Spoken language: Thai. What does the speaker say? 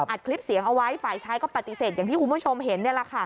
คลิปเสียงเอาไว้ฝ่ายชายก็ปฏิเสธอย่างที่คุณผู้ชมเห็นนี่แหละค่ะ